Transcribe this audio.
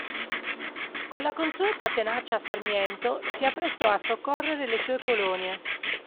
Con la consueta tenacia Sarmiento si apprestò a soccorrere le sue colonie.